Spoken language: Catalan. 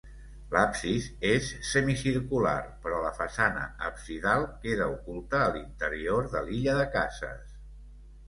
L'absis és semicircular però la façana absidal queda oculta a l'interior de l'illa de cases.